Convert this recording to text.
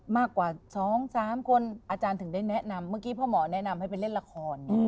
มากกว่า๒๓คนอาจารย์ถึงได้แนะนำเมื่อกี้พ่อหมอแนะนำให้ไปเล่นละคร